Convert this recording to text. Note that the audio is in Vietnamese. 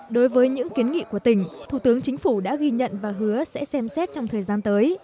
đối với những kiến nghị của tỉnh thủ tướng chính phủ đã ghi nhận và hứa sẽ xem xét trong thời gian tới